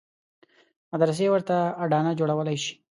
مدرسې ورته اډانه جوړولای شي.